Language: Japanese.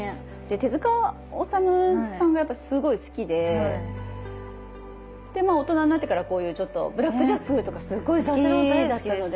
手治虫さんがやっぱすごい好きで大人になってからこういうちょっと「ブラック・ジャック」とかすごい好きだったので。